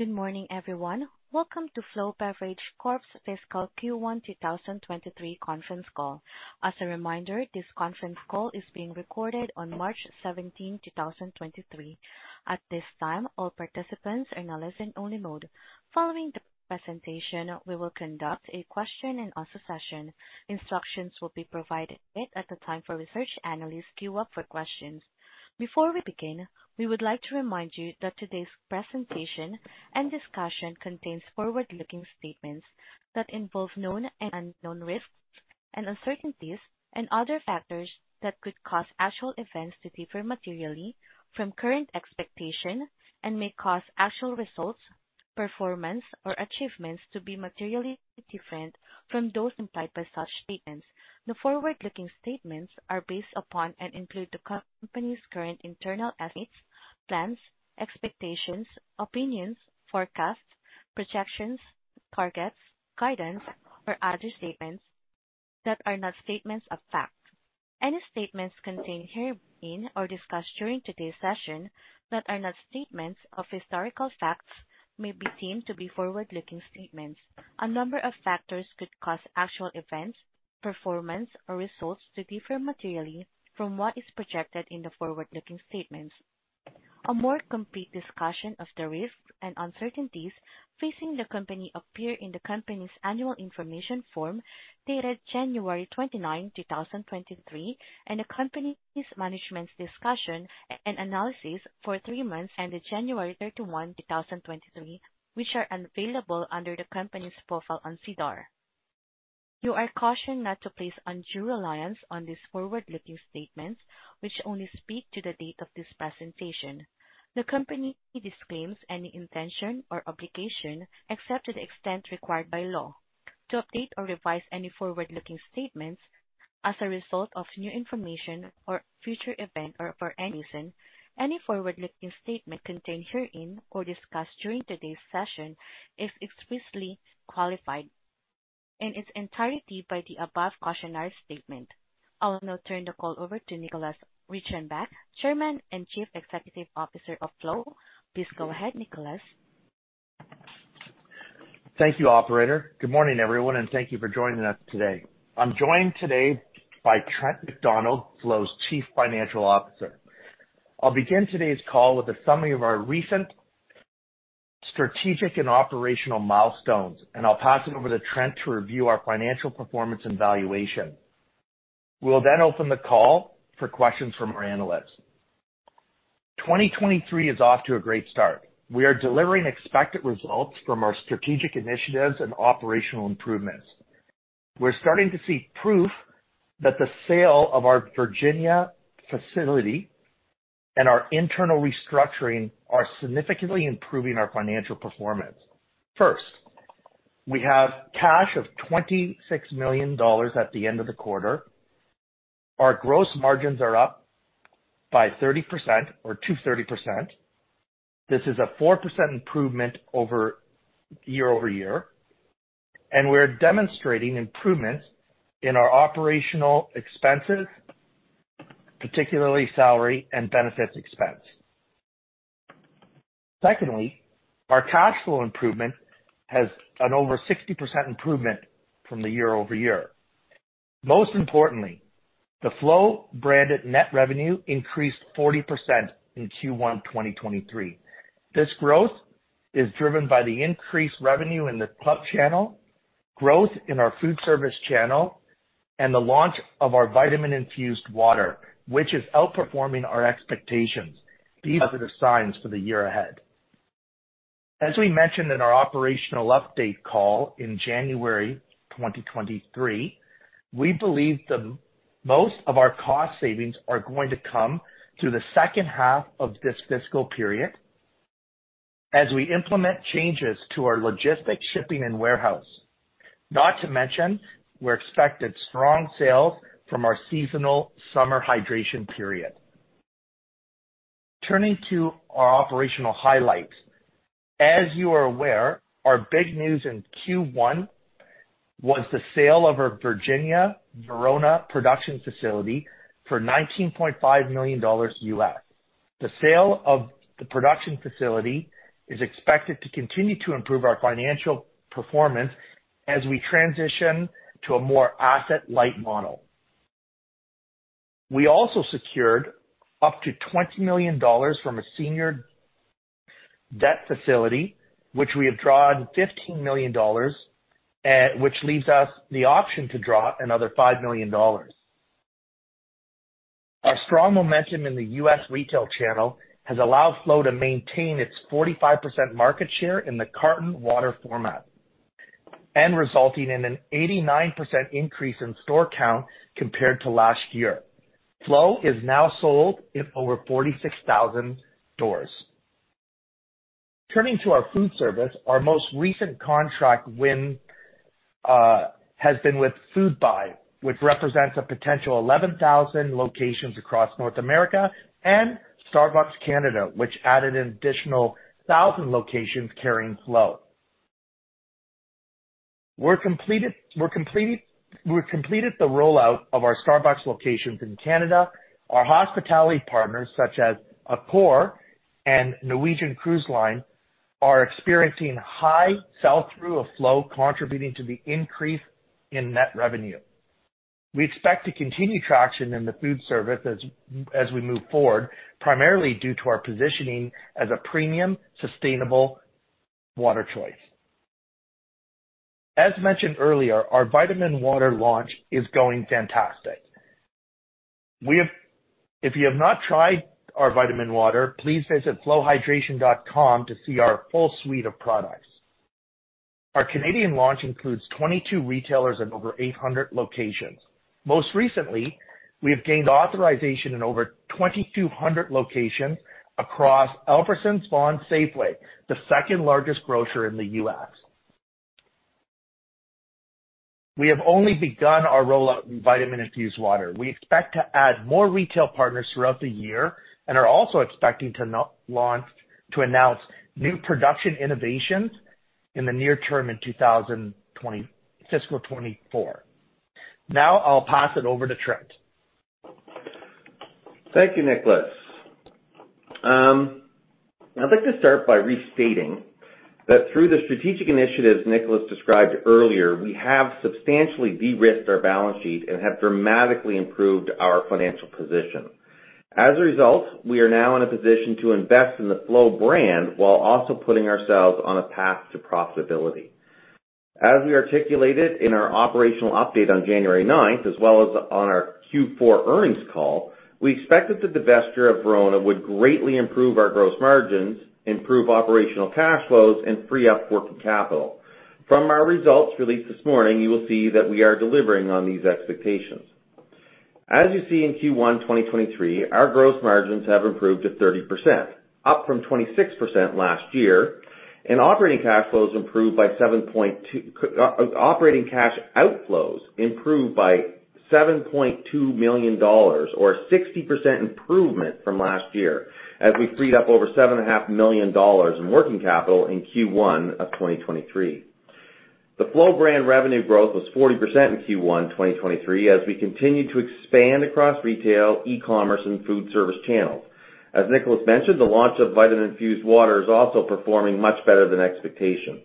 Good morning, everyone. Welcome to Flow Beverage Corp's Fiscal Q1 2023 conference call. As a reminder, this conference call is being recorded on March 17th, 2023. At this time, all participants are in a listen only mode. Following the presentation, we will conduct a question and answer session. Instructions will be provided at the time for research analysts queue up for questions. Before we begin, we would like to remind you that today's presentation and discussion contains forward-looking statements that involve known and unknown risks and uncertainties and other factors that could cause actual events to differ materially from current expectation and may cause actual results, performance, or achievements to be materially different from those implied by such statements. The forward-looking statements are based upon and include the company's current internal estimates, plans, expectations, opinions, forecasts, projections, targets, guidance, or other statements that are not statements of fact. Any statements contained herein or discussed during today's session that are not statements of historical facts may be deemed to be forward-looking statements. A number of factors could cause actual events, performance or results to differ materially from what is projected in the forward-looking statements. A more complete discussion of the risks and uncertainties facing the company appear in the company's Annual Information Form dated January 29th, 2023, and the company's management's discussion and analysis for three months ended January 31st, 2023, which are available under the company's profile on SEDAR. You are cautioned not to place undue reliance on these forward-looking statements which only speak to the date of this presentation. The company disclaims any intention or obligation, except to the extent required by law, to update or revise any forward-looking statements as a result of new information or future event or for any reason. Any forward-looking statement contained herein or discussed during today's session is explicitly qualified in its entirety by the above cautionary statement. I will now turn the call over to Nicholas Reichenbach, Chairman and Chief Executive Officer of Flow. Please go ahead, Nicholas. Thank you, operator. Good morning, everyone, thank you for joining us today. I'm joined today by Trent MacDonald, Flow's Chief Financial Officer. I'll begin today's call with a summary of our recent strategic and operational milestones, and I'll pass it over to Trent to review our financial performance and valuation. We will open the call for questions from our analysts. 2023 is off to a great start. We are delivering expected results from our strategic initiatives and operational improvements. We're starting to see proof that the sale of our Virginia facility and our internal restructuring are significantly improving our financial performance. First, we have cash of 26 million dollars at the end of the quarter. Our gross margins are up by 30% or 230%. This is a 4% improvement year-over-year. We're demonstrating improvement in our operational expenses, particularly salary and benefits expense. Our cash flow improvement has an over 60% improvement from the year-over-year. The Flow branded net revenue increased 40% in Q1 2023. This growth is driven by the increased revenue in the club channel, growth in our food service channel, and the launch of our Vitamin-Infused Water, which is outperforming our expectations. These are the signs for the year ahead. As we mentioned in our operational update call in January 2023, we believe most of our cost savings are going to come through the second half of this fiscal period as we implement changes to our logistics, shipping and warehouse. We're expected strong sales from our seasonal summer hydration period. Turning to our operational highlights. As you are aware, our big news in Q1 was the sale of our Virginia, Verona production facility for $19.5 million USD. The sale of the production facility is expected to continue to improve our financial performance as we transition to a more asset-light model. We also secured up to $20 million from a senior debt facility, which we have drawn $15 million, which leaves us the option to draw another $5 million. Our strong momentum in the US retail channel has allowed Flow to maintain its 45% market share in the carton water format and resulting in an 89% increase in store count compared to last year. Flow is now sold in over 46,000 stores. Turning to our food service, our most recent contract win has been with Foodbuy, which represents a potential 11,000 locations across North America, and Starbucks Canada, which added an additional 1,000 locations carrying Flow. We've completed the rollout of our Starbucks locations in Canada. Our hospitality partners, such as Accor and Norwegian Cruise Line, are experiencing high sell-through of Flow, contributing to the increase in net revenue. We expect to continue traction in the food service as we move forward, primarily due to our positioning as a premium, sustainable water choice. As mentioned earlier, our Vitamin-Infused Water launch is going fantastic. If you have not tried our Vitamin-Infused Water, please visit flowhydration.com to see our full suite of products. Our Canadian launch includes 22 retailers in over 800 locations. Most recently, we have gained authorization in over 2,200 locations across Albertsons, Vons, Safeway, the second-largest grocer in the U.S. We have only begun our rollout in Vitamin-Infused Water. We expect to add more retail partners throughout the year and are also expecting to announce new production innovations in the near term in fiscal 2024. I'll pass it over to Trent. Thank you, Nicholas. I'd like to start by restating that through the strategic initiatives Nicholas described earlier, we have substantially de-risked our balance sheet and have dramatically improved our financial position. As a result, we are now in a position to invest in the Flow brand while also putting ourselves on a path to profitability. As we articulated in our operational update on January ninth, as well as on our Q4 earnings call, we expected the divesture of Verona would greatly improve our gross margins, improve operational cash flows, and free up working capital. From our results released this morning, you will see that we are delivering on these expectations. As you see in Q1 2023, our gross margins have improved to 30%, up from 26% last year, and operating cash outflows improved by $7.2 million or a 60% improvement from last year as we freed up over $7.5 million In working capital in Q1 of 2023. The Flow brand revenue growth was 40% in Q1 2023 as we continued to expand across retail, e-commerce, and food service channels. As Nicholas mentioned, the launch of Vitamin-Infused Water is also performing much better than expectations.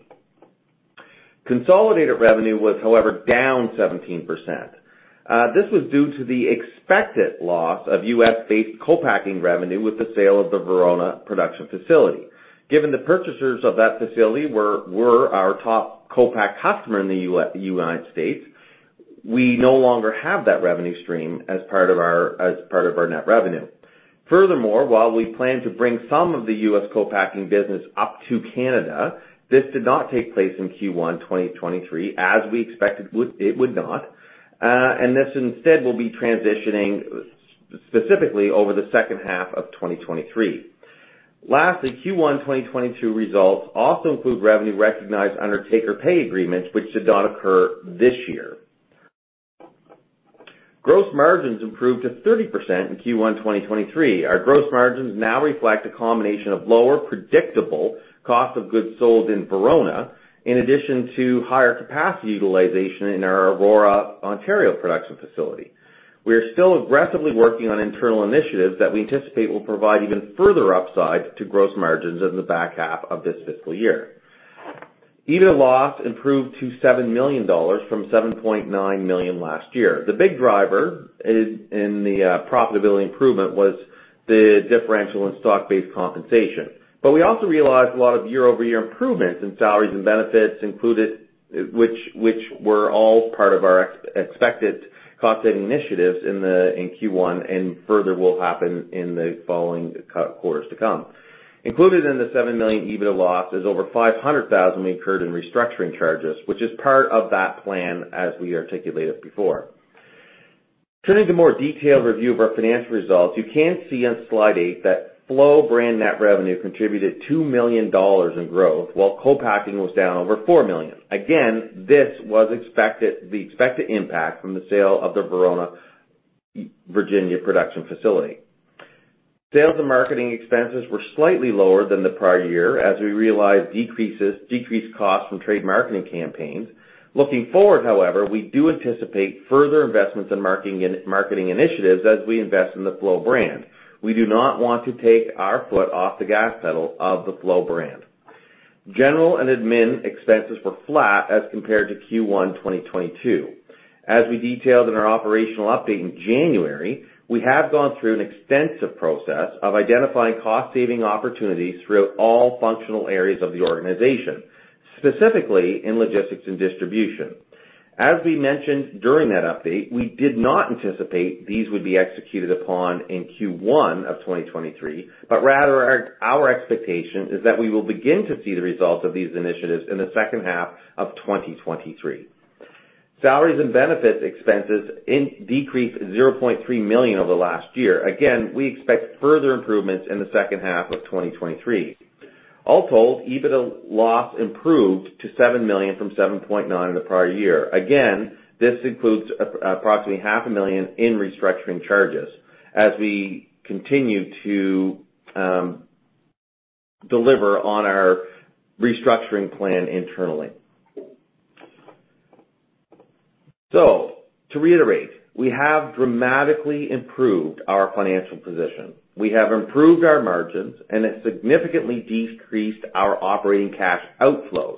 Consolidated revenue was, however, down 17%. This was due to the expected loss of U.S.-based co-packing revenue with the sale of the Verona production facility. Given the purchasers of that facility were our top co-pack customer in the United States, we no longer have that revenue stream as part of our net revenue. Furthermore, while we plan to bring some of the US co-packing business up to Canada, this did not take place in Q1 2023, as we expected it would not, and this instead will be transitioning specifically over the second half of 2023. Lastly, Q1 2022 results also include revenue recognized under take-or-pay agreements, which did not occur this year. Gross margins improved to 30% in Q1 2023. Our gross margins now reflect a combination of lower predictable cost of goods sold in Verona, in addition to higher capacity utilization in our Aurora, Ontario, production facility. We are still aggressively working on internal initiatives that we anticipate will provide even further upside to gross margins in the back half of this fiscal year. EBITDA loss improved to $7 million from $7.9 million last year. The big driver in the profitability improvement was the differential in stock-based compensation. We also realized a lot of year-over-year improvements in salaries and benefits included, which were all part of our expected cost-saving initiatives in Q1 and further will happen in the following quarters to come. Included in the $7 million EBITDA loss is over $500,000 we incurred in restructuring charges, which is part of that plan as we articulated before. Turning to a more detailed review of our financial results, you can see on slide eight that Flow brand net revenue contributed $2 million in growth, while co-packing was down over $4 million. This was expected, the expected impact from the sale of the Verona, Virginia, production facility. Sales and marketing expenses were slightly lower than the prior year as we realized decreased costs from trade marketing campaigns. Looking forward, however, we do anticipate further investments in marketing initiatives as we invest in the Flow brand. We do not want to take our foot off the gas pedal of the Flow brand. General and admin expenses were flat as compared to Q1 2022. We detailed in our operational update in January, we have gone through an extensive process of identifying cost-saving opportunities throughout all functional areas of the organization, specifically in logistics and distribution. As we mentioned during that update, we did not anticipate these would be executed upon in Q1 of 2023, but rather our expectation is that we will begin to see the results of these initiatives in the second half of 2023. Salaries and benefits expenses decreased $0.3 million over last year. Again, we expect further improvements in the second half of 2023. All told, EBITDA loss improved to $7 million from $7.9 million in the prior year. Again, this includes approximately $500,000 in restructuring charges as we continue to. Deliver on our restructuring plan internally. To reiterate, we have dramatically improved our financial position. We have improved our margins and it significantly decreased our operating cash outflows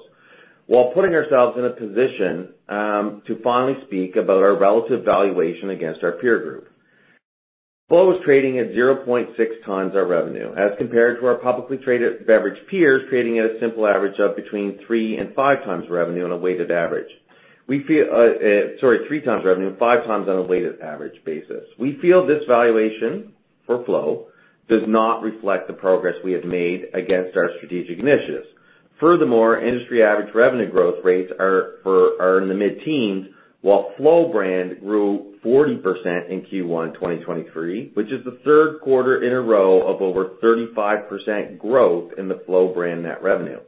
while putting ourselves in a position to finally speak about our relative valuation against our peer group. Flow is trading at 0.6x our revenue as compared to our publicly traded beverage peers, trading at a simple average of between 3x and 5x revenue on a weighted average. We feel 3x revenue and 5x on a weighted average basis. We feel this valuation for Flow does not reflect the progress we have made against our strategic initiatives. Furthermore, industry average revenue growth rates are in the mid-teens, while Flow brand grew 40% in Q1 2023, which is the third quarter in a row of over 35% growth in the Flow brand net revenue.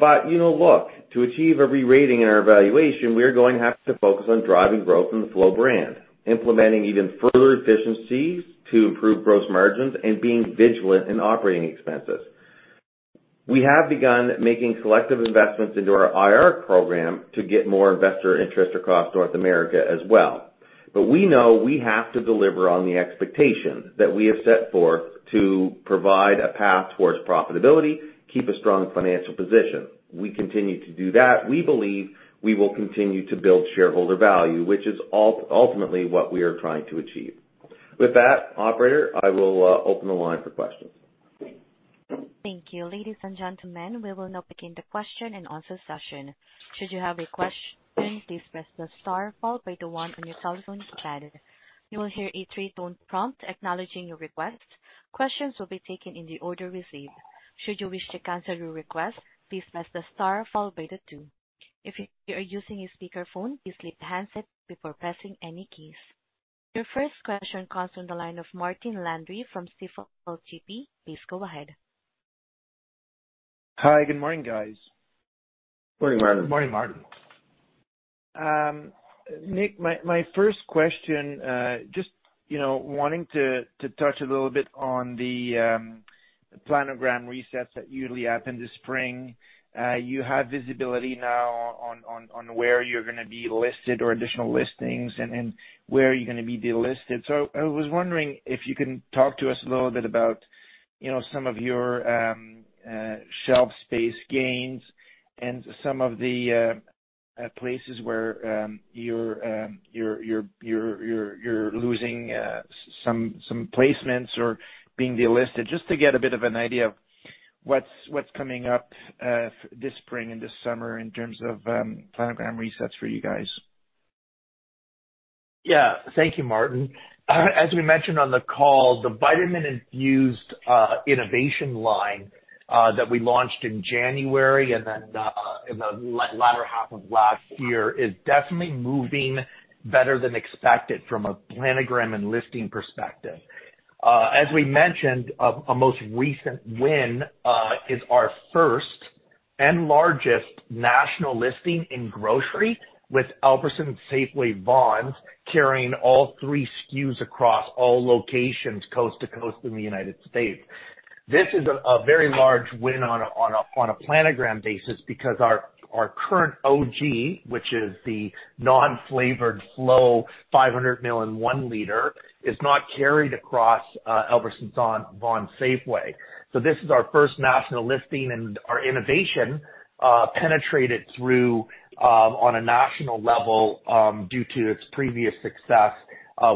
You know, look, to achieve a re-rating in our valuation, we are going to have to focus on driving growth in the Flow brand, implementing even further efficiencies to improve gross margins, and being vigilant in operating expenses. We have begun making selective investments into our IR program to get more investor interest across North America as well. We know we have to deliver on the expectation that we have set forth to provide a path towards profitability, keep a strong financial position. We continue to do that. We believe we will continue to build shareholder value, which is ultimately what we are trying to achieve. With that, operator, I will open the line for questions. Thank you. Ladies and gentlemen, we will now begin the question and answer session. Should you have a question, please press the star followed by the one on your telephone keypad. You will hear a three-tone prompt acknowledging your request. Questions will be taken in the order received. Should you wish to cancel your request, please press the star followed by the two. If you are using a speakerphone, please lift the handset before pressing any keys. Your first question comes on the line of Martin Landry from Stifel GMP. Please go ahead. Hi. Good morning, guys. Morning, Martin. Morning, Martin. Nick, my first question, just, you know, wanting to touch a little bit on the planogram resets that usually happen this spring. You have visibility now on where you're gonna be listed or additional listings and where you're gonna be delisted. I was wondering if you can talk to us a little bit about, you know, some of your shelf space gains and some of the places where you're losing some placements or being delisted, just to get a bit of an idea of what's coming up this spring and this summer in terms of planogram resets for you guys. Thank you, Martin. As we mentioned on the call, the vitamin-infused innovation line that we launched in January and then in the latter half of last year is definitely moving better than expected from a planogram and listing perspective. As we mentioned, a most recent win is our first and largest national listing in grocery with Albertsons Safeway Vons carrying all three SKUs across all locations coast to coast in the United States. This is a very large win on a planogram basis because our current OG, which is the non-flavored Flow 500 mil and 1 liter, is not carried across Albertsons-Vons-Safeway. This is our first national listing, and our innovation, penetrated through, on a national level, due to its previous success,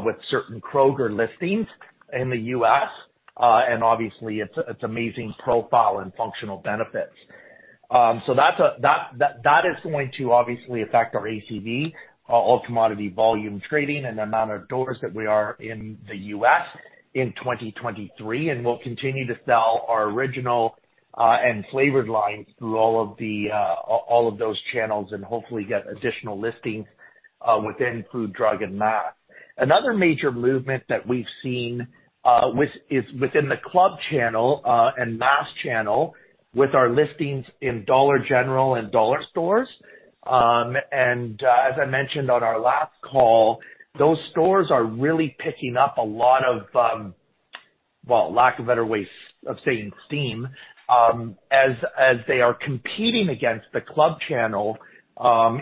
with certain Kroger listings in the US, and obviously its amazing profile and functional benefits. That is going to obviously affect our ACV, our all commodity volume trading and the amount of doors that we are in the US in 2023, and we'll continue to sell our original, and flavored lines through all of those channels and hopefully get additional listings, within food, drug, and mass. Another major movement that we've seen is within the club channel and mass channel with our listings in Dollar General and dollar stores. As I mentioned on our last call, those stores are really picking up a lot of, well, lack of better way of saying, steam, as they are competing against the club channel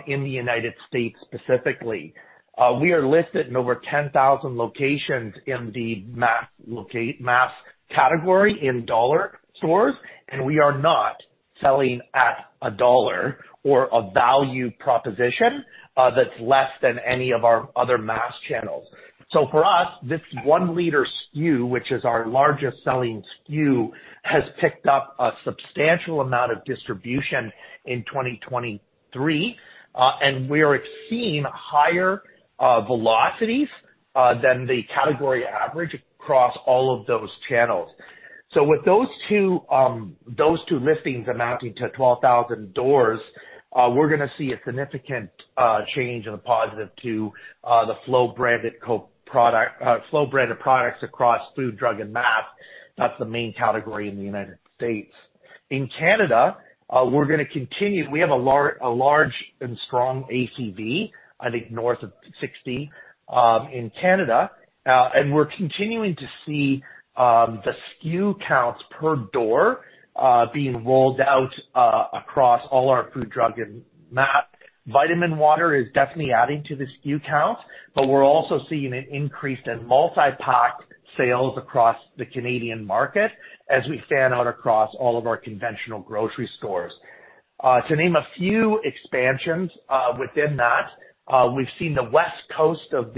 in the United States specifically. We are listed in over 10,000 locations in the mass category in dollar stores, and we are not selling at a dollar or a value proposition that's less than any of our other mass channels. For us, this 1 L SKU, which is our largest selling SKU, has picked up a substantial amount of distribution in 2023, and we are seeing higher velocities than the category average across all of those channels. With those two, those two listings amounting to 12,000 doors, we're gonna see a significant change in the positive to the Flow branded products across food, drug, and mass. That's the main category in the United States. In Canada, we're gonna continue. We have a large and strong ACV, I think north of 60 in Canada. We're continuing to see the SKU counts per door being rolled out across all our food, drug, and mass. Vitamin-Infused Water is definitely adding to the SKU count, but we're also seeing an increase in multi-pack sales across the Canadian market as we fan out across all of our conventional grocery stores. To name a few expansions within that, we've seen the West Coast of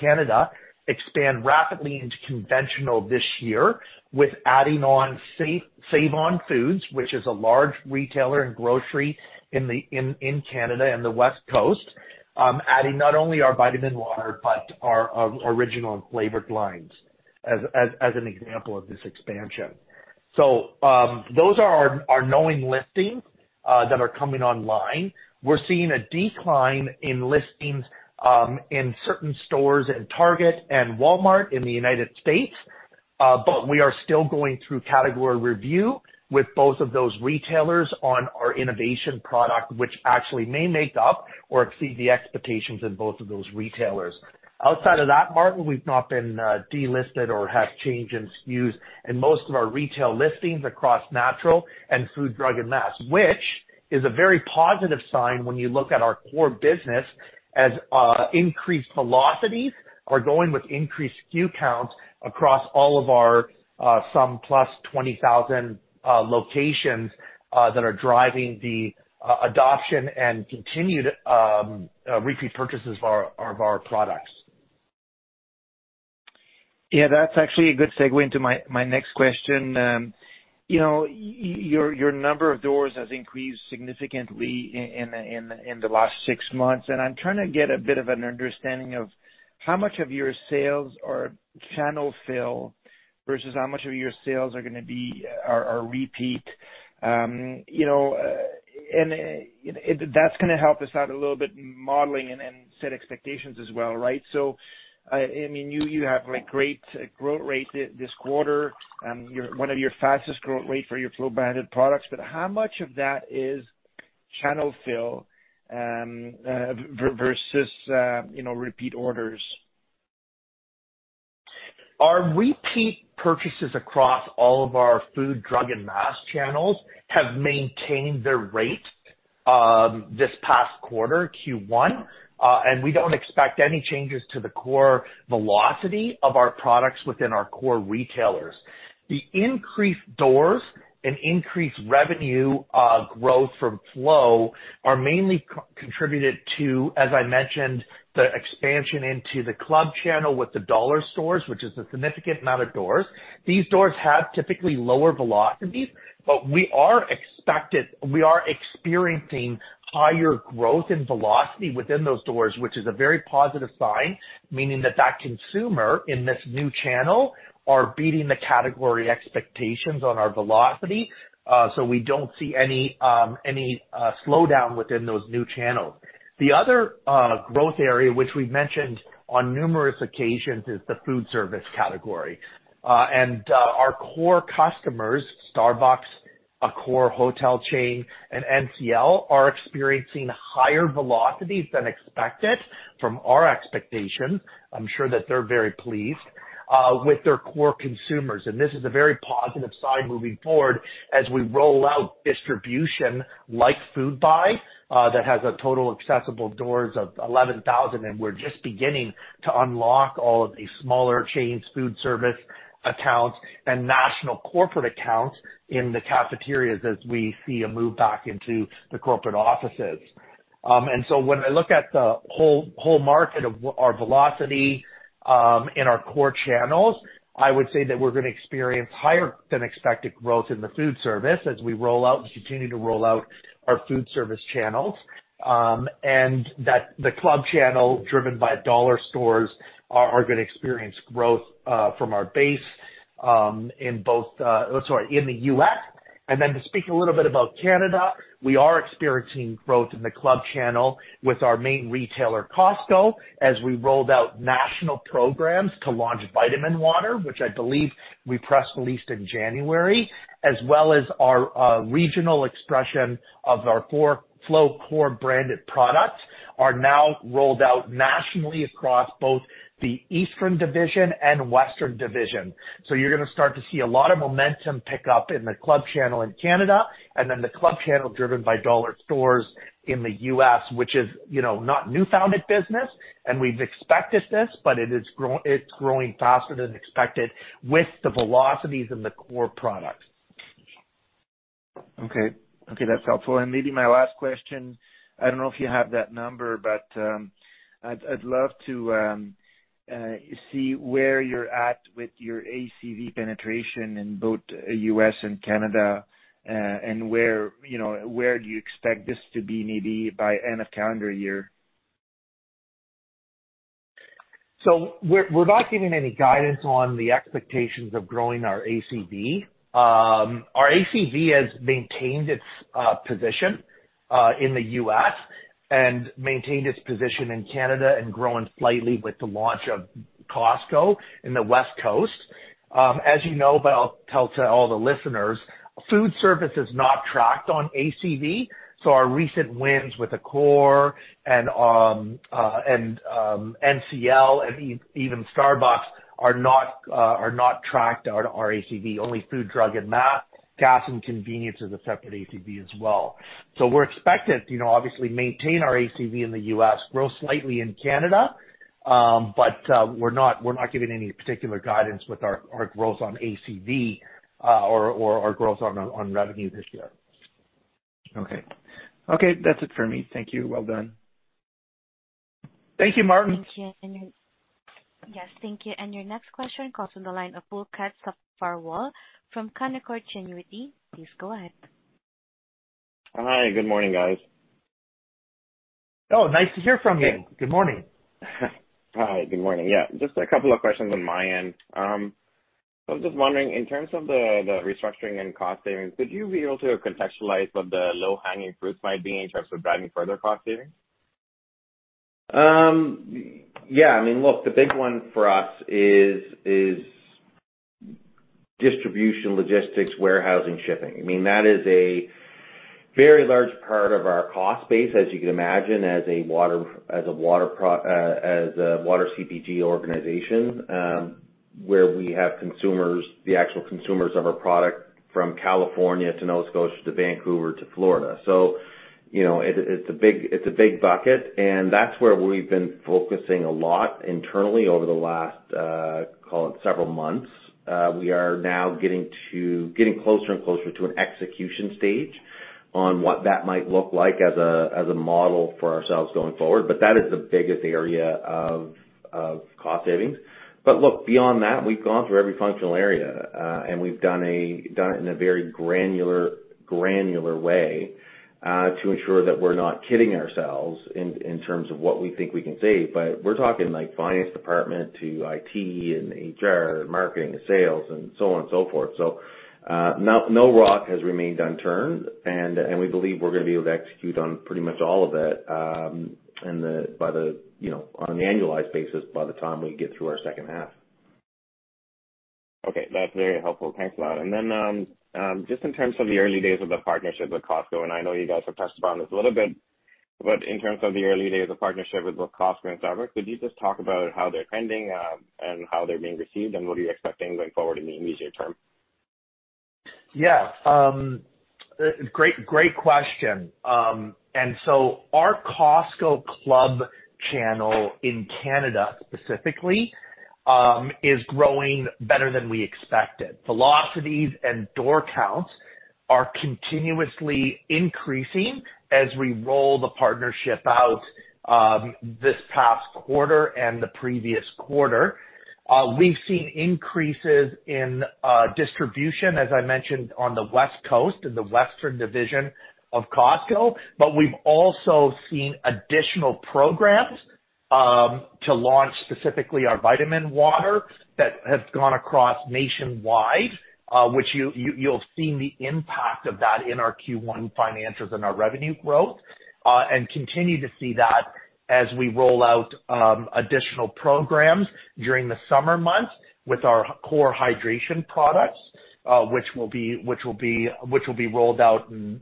Canada expand rapidly into conventional this year with adding on Save-On-Foods, which is a large retailer in grocery in Canada and the West Coast, adding not only our Vitamin-Infused Water but our original flavored lines as an example of this expansion. Those are our knowing listings that are coming online. We're seeing a decline in listings in certain stores in Target and Walmart in the United States. We are still going through category review with both of those retailers on our innovation product which actually may make up or exceed the expectations in both of those retailers. Outside of that, Martin, we've not been delisted or have change in SKUs in most of our retail listings across natural and food, drug, and mass, which is a very positive sign when you look at our core business as increased velocities are going with increased SKU counts across all of our some +20,000 locations that are driving the adoption and continued repeat purchases of our products. Yeah, that's actually a good segue into my next question. You know, your number of doors has increased significantly in the last six months, and I'm trying to get a bit of an understanding of how much of your sales are channel fill versus how much of your sales are gonna be repeat. You know, and That's gonna help us out a little bit in modeling and set expectations as well, right? I mean, you have a great growth rate this quarter, your, one of your fastest growth rate for your Flow branded products, but how much of that is channel fill versus, you know, repeat orders? Our repeat purchases across all of our food, drug, and mass channels have maintained their rate, this past quarter, Q1. We don't expect any changes to the core velocity of our products within our core retailers. The increased doors and increased revenue growth from Flow are mainly contributed to, as I mentioned, the expansion into the club channel with the dollar stores, which is a significant amount of doors. These doors have typically lower velocities, but we are experiencing higher growth and velocity within those doors, which is a very positive sign, meaning that consumer in this new channel are beating the category expectations on our velocity. We don't see any slowdown within those new channels. The other growth area, which we've mentioned on numerous occasions, is the foodservice category. Our core customers, Starbucks, Accor hotel chain, and NCL, are experiencing higher velocities than expected from our expectations. I'm sure that they're very pleased with their core consumers. This is a very positive sign moving forward as we roll out distribution like Foodbuy that has a total accessible doors of 11,000, and we're just beginning to unlock all of the smaller chains food service accounts and national corporate accounts in the cafeterias as we see a move back into the corporate offices. When I look at the whole market of our velocity in our core channels, I would say that we're gonna experience higher than expected growth in the food service as we roll out and continue to roll out our food service channels. that the club channel driven by dollar stores are gonna experience growth from our base. Sorry, in the US. To speak a little bit about Canada, we are experiencing growth in the club channel with our main retailer, Costco, as we rolled out national programs to launch Vitamin Water, which I believe we press released in January, as well as our regional expression of our four Flow core branded products are now rolled out nationally across both the Eastern Division and Western Division. You're going to start to see a lot of momentum pick up in the club channel in Canada, and then the club channel driven by dollar stores in the U.S., which is, you know, not new founded business, and we've expected this, but it is growing faster than expected with the velocities in the core products. Okay. Okay, that's helpful. Maybe my last question, I don't know if you have that number, but I'd love to see where you're at with your ACV penetration in both U.S. and Canada, and where, you know, where do you expect this to be maybe by end of calendar year? We're not giving any guidance on the expectations of growing our ACV. Our ACV has maintained its position in the US and maintained its position in Canada and grown slightly with the launch of Costco in the West Coast. As you know, but I'll tell to all the listeners, food service is not tracked on ACV, so our recent wins with Accor and NCL and even Starbucks are not tracked on our ACV. Only food, drug, and mass. Gas and convenience is a separate ACV as well. We're expected to, you know, obviously maintain our ACV in the US, grow slightly in Canada, but we're not giving any particular guidance with our growth on ACV or our growth on revenue this year. Okay. Okay, that's it for me. Thank you. Well done. Thank you, Martin. Thank you. Yes, thank you. Your next question comes from the line of Bulkat Safarwal from Canaccord Genuity. Please go ahead. Hi, good morning, guys. Oh, nice to hear from you. Yeah. Good morning. Hi, good morning. Yeah, just a couple of questions on my end. I'm just wondering, in terms of the restructuring and cost savings, could you be able to contextualize what the low-hanging fruits might be in terms of driving further cost savings? Yeah. I mean, look, the big one for us is distribution, logistics, warehousing, shipping. I mean, that is a very large part of our cost base, as you can imagine, as a water CPG organization, where we have consumers, the actual consumers of our product from California to Nova Scotia to Vancouver to Florida. You know, it's a big bucket, and that's where we've been focusing a lot internally over the last, call it several months. We are now getting closer and closer to an execution stage on what that might look like as a model for ourselves going forward. That is the biggest area of cost savings. Look, beyond that, we've gone through every functional area, and we've done it in a very granular way to ensure that we're not kidding ourselves in terms of what we think we can save. We're talking, like, finance department to IT and HR, marketing, sales and so on and so forth. No rock has remained unturned, and we believe we're gonna be able to execute on pretty much all of it by the, you know, on an annualized basis by the time we get through our second half. Okay. That's very helpful. Thanks a lot. Then, just in terms of the early days of the partnership with Costco, and I know you guys have touched upon this a little bit, but in terms of the early days of partnership with both Costco and Starbucks, could you just talk about how they're trending, and how they're being received and what are you expecting going forward in the intermediate term? Great, great question. Our Costco club channel in Canada specifically is growing better than we expected. Velocities and door counts are continuously increasing as we roll the partnership out this past quarter and the previous quarter. We've seen increases in distribution, as I mentioned, on the West Coast in the Western Division of Costco. We've also seen additional programs to launch specifically our Vitamin Water that has gone across nationwide, which you'll have seen the impact of that in our Q1 financials and our revenue growth. Continue to see that as we roll out additional programs during the summer months with our core hydration products, which will be rolled out and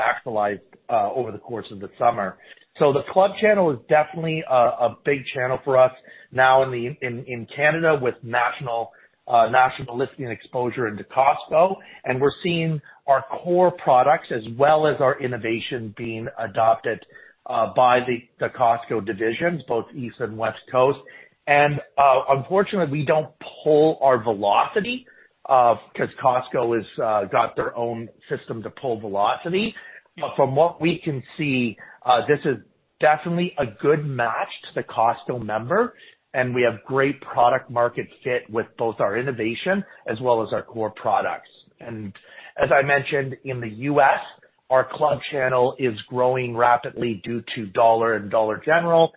actualized over the course of the summer. The club channel is definitely a big channel for us now in Canada with national national listing exposure into Costco. We're seeing our Core products as well as our innovation being adopted by the Costco divisions, both East and West Coast. Unfortunately, we don't pull our velocity 'cause Costco is got their own system to pull velocity. From what we can see, this is definitely a good match to the Costco member, and we have great product market fit with both our innovation as well as our Core products. As I mentioned, in the U.S., our club channel is growing rapidly due to Dollar and Dollar General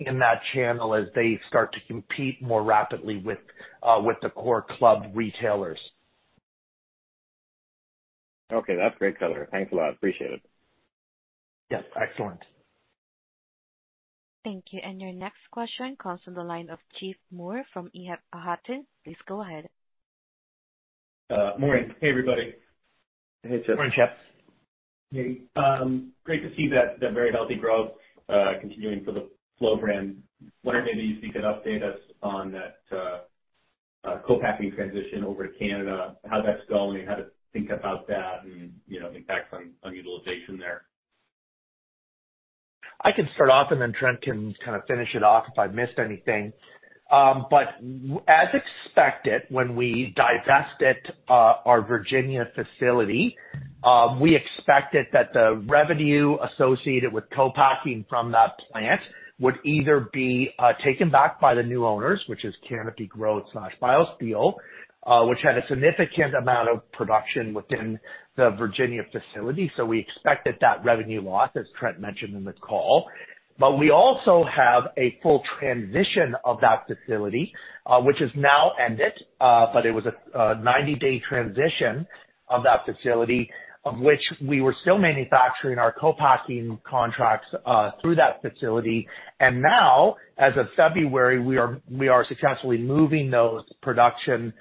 in that channel as they start to compete more rapidly with the core club retailers. Okay. That's great color. Thanks a lot. Appreciate it. Yeah, excellent. Thank you. Your next question comes from the line of Chip Moore from. Please go ahead. Morning. Hey, everybody. Hey, Chip. Morning, Chip. Hey, great to see that very healthy growth continuing for the Flow brand. Wondering maybe if you could update us on that co-packing transition over to Canada, how that's going and how to think about that and, you know, impact on utilization there? I can start off, Trent can kinda finish it off if I missed anything. As expected, when we divested our Virginia facility, we expected that the revenue associated with co-packing from that plant would either be taken back by the new owners, which is Canopy Growth slash BioSteel, which had a significant amount of production within the Virginia facility, we expected that revenue loss, as Trent mentioned in the call. We also have a full transition of that facility, which has now ended, but it was a 90-day transition of that facility in which we were still manufacturing our co-packing contracts through that facility. Now, as of February, we are successfully moving those production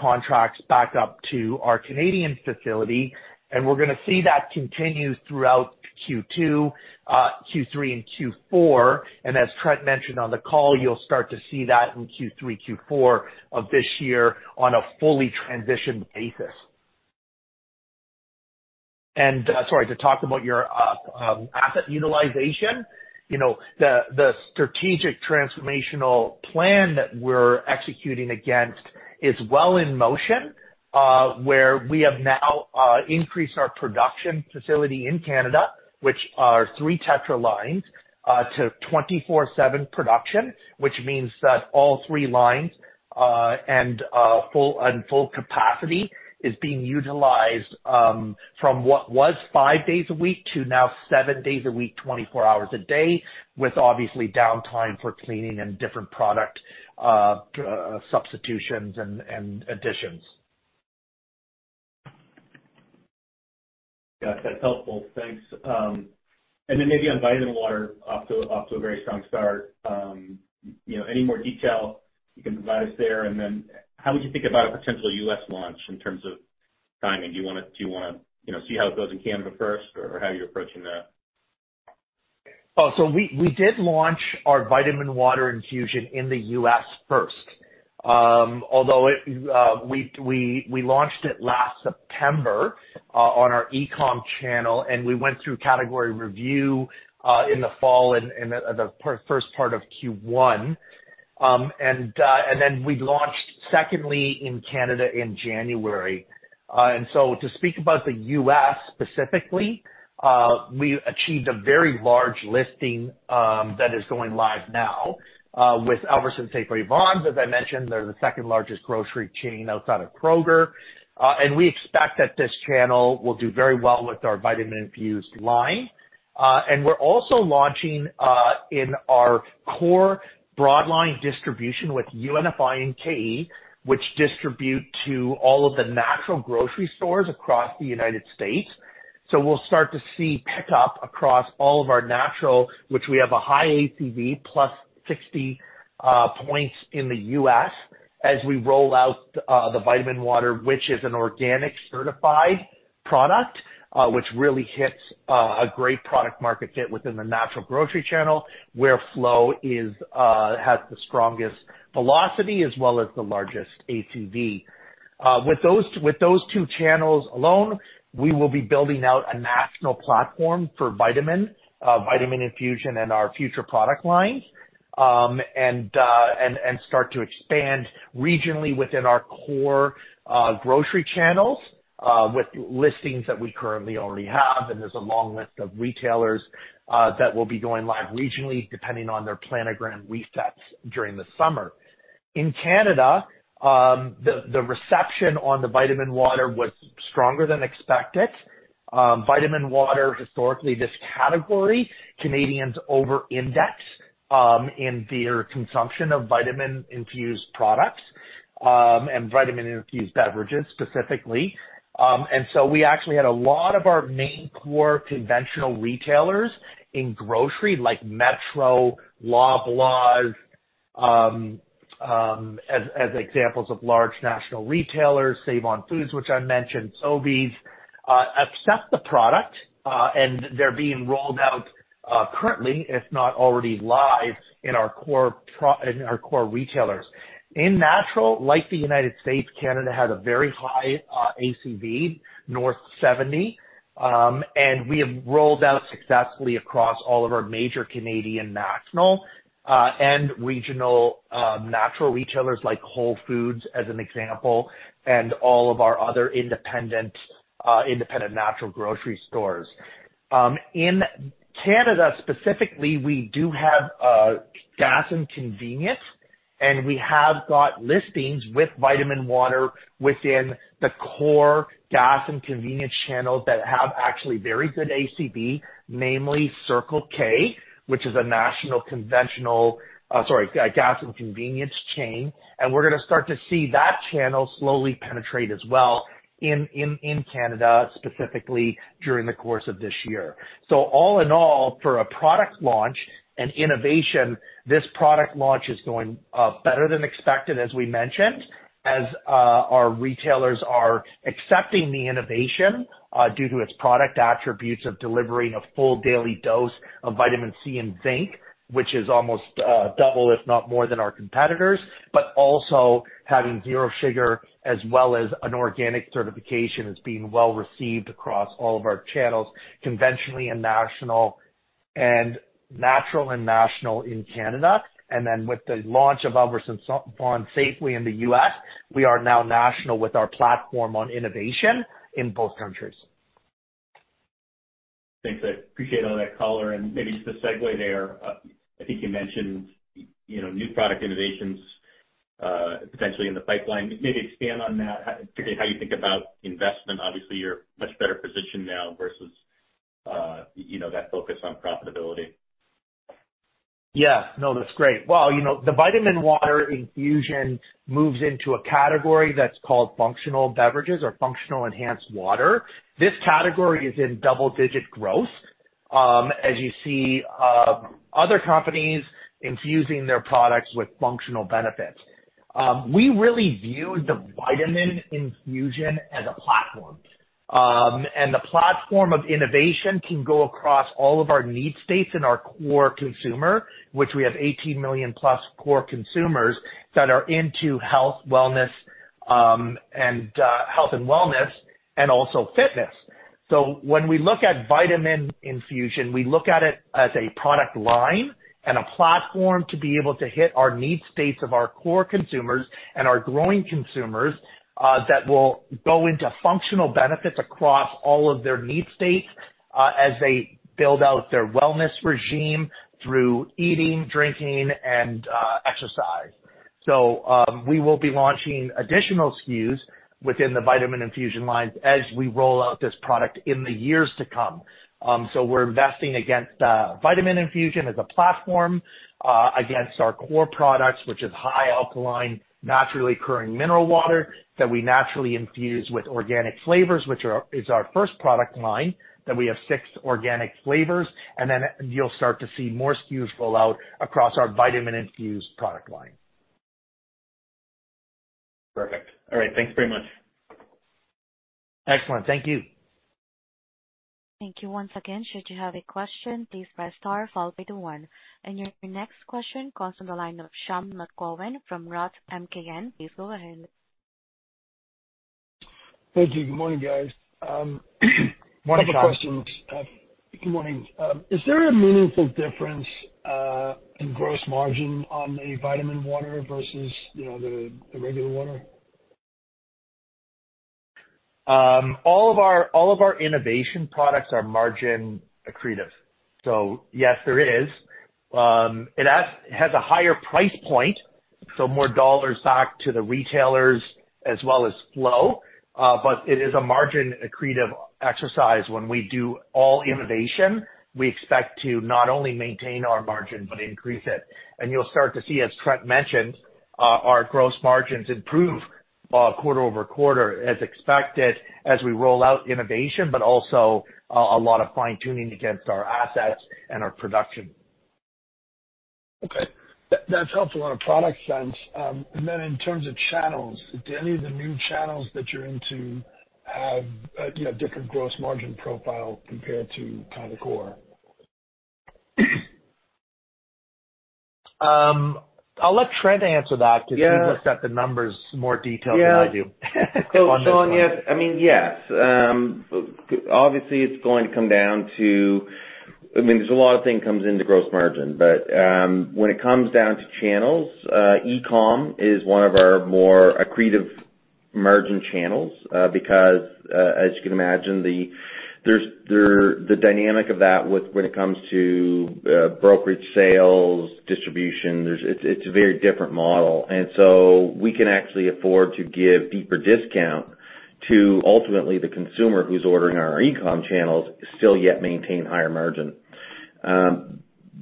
contracts back up to our Canadian facility, and we're gonna see that continue throughout Q2, Q3, and Q4. As Trent mentioned on the call, you'll start to see that in Q3, Q4 of this year on a fully transitioned basis. Sorry. To talk about your asset utilization, you know, the strategic transformational plan that we're executing against is well in motion, where we have now increased our production facility in Canada, which are three Tetra lines, to 24/7 production, which means that all three lines, and on full capacity is being utilized, from what was five days a week to now seven days a week, 24 hours a day, with obviously downtime for cleaning and different product substitutions and additions. Yeah. That's helpful. Thanks. Maybe on vitamin water, off to a very strong start. You know, any more detail you can provide us there? How would you think about a potential U.S. launch in terms of timing? Do you wanna, you know, see how it goes in Canada first or how you're approaching that? We did launch our Vitamin Water Infusion in the U.S. first. Although we launched it last September on our e-com channel, and we went through category review in the fall and the first part of Q1. We launched secondly in Canada in January. To speak about the U.S. specifically, we achieved a very large listing that is going live now with Albertsons, Safeway, Vons. As I mentioned, they're the second largest grocery chain outside of Kroger. We expect that this channel will do very well with our Vitamin-Infused line. We're also launching in our core broad line distribution with UNFI and KeHE, which distribute to all of the natural grocery stores across the United States. We'll start to see pickup across all of our natural, which we have a high ACV plus 60 points in the US as we roll out the vitamin water, which is an organic certified product, which really hits a great product market fit within the natural grocery channel, where Flow is has the strongest velocity as well as the largest ACV. With those two channels alone, we will be building out a national platform for vitamin infusion and our future product lines, and start to expand regionally within our core grocery channels, with listings that we currently already have, and there's a long list of retailers that will be going live regionally depending on their planogram resets during the summer. In Canada, the reception on the Vitamin Water was stronger than expected. Vitamin Water, historically, this category, Canadians over-index in their consumption of vitamin-infused products and vitamin-infused beverages specifically. We actually had a lot of our main core conventional retailers in grocery, like Metro, Loblaws, as examples of large national retailers, Save-On-Foods, which I mentioned, Sobeys, accept the product, and they're being rolled out currently, if not already live in our core retailers. In natural, like the United States, Canada has a very high ACV, north 70, and we have rolled out successfully across all of our major Canadian national and regional natural retailers like Whole Foods as an example, and all of our other independent natural grocery stores. In Canada specifically, we do have gas and convenience, and we have got listings with vitamin water within the core gas and convenience channels that have actually very good ACV, namely Circle K, which is a national conventional, sorry, a gas and convenience chain, and we're gonna start to see that channel slowly penetrate as well in Canada, specifically during the course of this year. All in all, for a product launch and innovation, this product launch is going better than expected, as we mentioned, as our retailers are accepting the innovation due to its product attributes of delivering a full daily dose of vitamin C and zinc, which is almost double, if not more than our competitors. Also having zero sugar as well as an organic certification is being well received across all of our channels, conventionally and national, and natural and national in Canada. With the launch of Albertsons, Vons, Safeway in the U.S., we are now national with our platform on innovation in both countries. Thanks. I appreciate all that color. Maybe just a segue there. I think you mentioned, you know, new product innovations, potentially in the pipeline. Maybe expand on that, particularly how you think about investment. Obviously, you're much better positioned now versus, you know, that focus on profitability. No, that's great. You know, the vitamin water infusion moves into a category that's called functional beverages or functional enhanced water. This category is in double-digit growth. As you see, other companies infusing their products with functional benefits. We really view the vitamin infusion as a platform. The platform of innovation can go across all of our need states in our core consumer, which we have 18 million-plus core consumers that are into health, wellness, and health and wellness and also fitness. When we look at vitamin infusion, we look at it as a product line and a platform to be able to hit our need states of our core consumers and our growing consumers, that will go into functional benefits across all of their need states, as they build out their wellness regime through eating, drinking and exercise. We will be launching additional SKUs within the vitamin infusion lines as we roll out this product in the years to come. We're investing against vitamin infusion as a platform against our core products, which is high alkaline, naturally occurring mineral water that we naturally infuse with organic flavors, which is our first product line, that we have six organic flavors. Then you'll start to see more SKUs roll out across our vitamin infused product line. Perfect. All right, thanks very much. Excellent. Thank you. Thank you. Once again, should you have a question, please press star followed by the one. Your next question comes from the line of Sean McGowan from Roth MKM. Please go ahead. Thank you. Good morning, guys. Couple of questions. Morning, Shyam. Good morning. Is there a meaningful difference in gross margin on a Vitamin-Infused Water versus, you know, the regular water? All of our innovation products are margin accretive. Yes, there is. It has a higher price point, so more dollars back to the retailers as well as Flow. It is a margin accretive exercise. When we do all innovation, we expect to not only maintain our margin but increase it. You'll start to see, as Trent mentioned, our gross margins improve, quarter-over-quarter as expected as we roll out innovation, but also, a lot of fine-tuning against our assets and our production. Okay. That's helpful on a product sense. In terms of channels, do any of the new channels that you're into have, you know, different gross margin profile compared to kind of core? I'll let Trent answer that. Yeah. He's looked at the numbers more detailed than I do on this one. I mean, yes. Obviously it's going to come down to. I mean, there's a lot of things comes into gross margin, but when it comes down to channels, e-com is one of our more accretive margin channels, because as you can imagine, the dynamic of that with when it comes to brokerage sales, distribution, it's a very different model. We can actually afford to give deeper discount to ultimately the consumer who's ordering our e-com channels still yet maintain higher margin.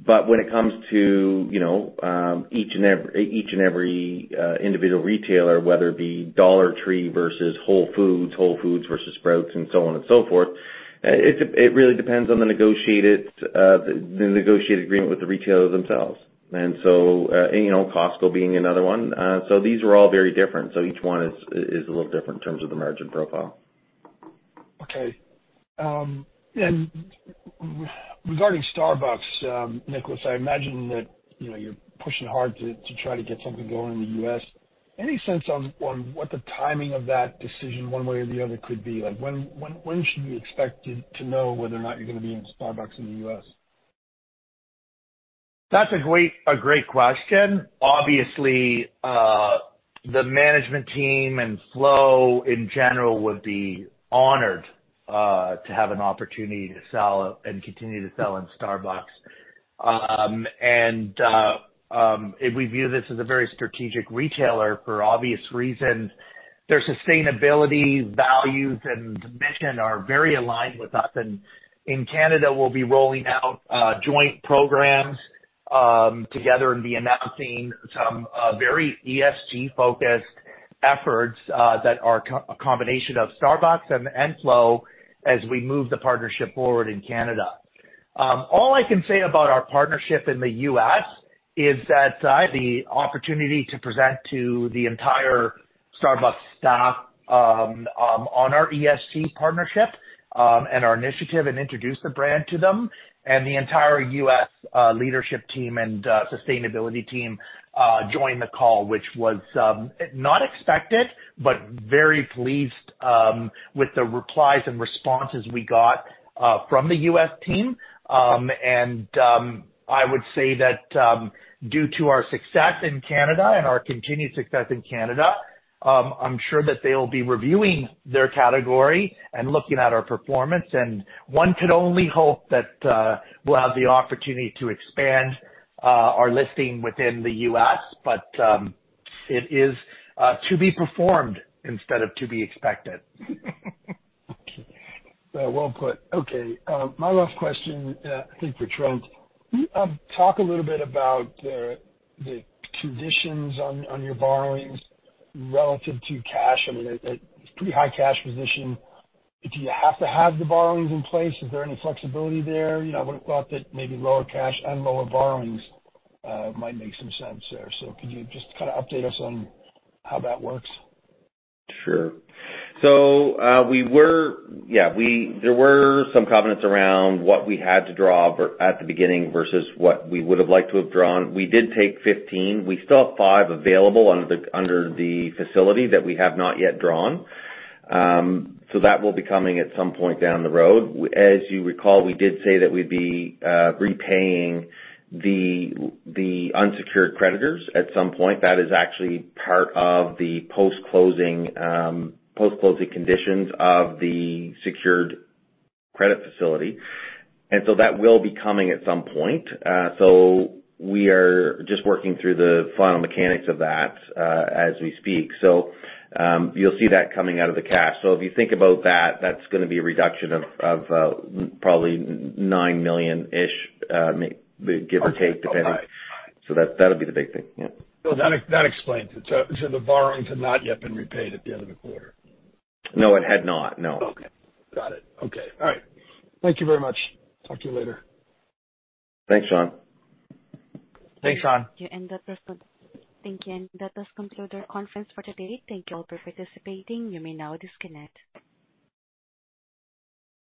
But when it comes to, you know, each and every individual retailer, whether it be Dollar Tree versus Whole Foods, Whole Foods versus Sprouts and so on and so forth, it really depends on the negotiated, the negotiated agreement with the retailers themselves. You know, Costco being another one. These are all very different. Each one is a little different in terms of the margin profile. Okay. Regarding Starbucks, Nicholas, I imagine that, you know, you're pushing hard to try to get something going in the U.S. Any sense on what the timing of that decision one way or the other could be like? When should we expect to know whether or not you're gonna be in Starbucks in the U.S.? That's a great question. Obviously, the management team and Flow in general would be honored to have an opportunity to sell and continue to sell in Starbucks. We view this as a very strategic retailer for obvious reasons. Their sustainability values and mission are very aligned with us. In Canada, we'll be rolling out joint programs together and be announcing some very ESG-focused efforts that are a combination of Starbucks and Flow as we move the partnership forward in Canada. All I can say about our partnership in the US is that I had the opportunity to present to the entire Starbucks staff on our ESG partnership and our initiative and introduce the brand to them. The entire U.S. leadership team and sustainability team joined the call, which was not expected, but very pleased with the replies and responses we got from the U.S. team. I would say that due to our success in Canada and our continued success in Canada, I'm sure that they'll be reviewing their category and looking at our performance. One can only hope that we'll have the opportunity to expand our listing within the U.S. It is to be performed instead of to be expected. Well put. Okay, my last question, I think for Trent. Can you talk a little bit about the conditions on your borrowings relative to cash? I mean, a pretty high cash position. Do you have to have the borrowings in place? Is there any flexibility there? You know, I would've thought that maybe lower cash and lower borrowings, might make some sense there. Could you just kinda update us on how that works? Sure. There were some covenants around what we had to draw at the beginning versus what we would have liked to have drawn. We did take 15 borrowings. We still have 5 borrowings available under the facility that we have not yet drawn. That will be coming at some point down the road. As you recall, we did say that we'd be repaying the unsecured creditors at some point. That is actually part of the post-closing post-closing conditions of the secured credit facility. That will be coming at some point. We are just working through the final mechanics of that as we speak. You'll see that coming out of the cash. If you think about that's gonna be a reduction of probably 9 million-ish, give or take, depending. Okay. All right. That'll be the big thing. Yeah. That explains it. The borrowings have not yet been repaid at the end of the quarter? No, it had not. No. Okay. Got it. Okay. All right. Thank you very much. Talk to you later. Thanks, Shyam. Thanks, Shyam. You end up with... Thank you. That does conclude our conference for today. Thank you all for participating. You may now disconnect.